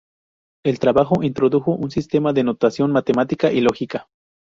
El trabajo introdujo un sistema de notación matemática y lógica.